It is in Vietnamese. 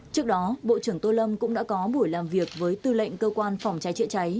trước đó bộ trưởng tô lâm cũng đã có buổi làm việc với tư lệnh cơ quan phòng cháy chữa cháy